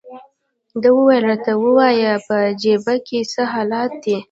ده وویل: راته ووایه، په جبهه کې څه حالات دي؟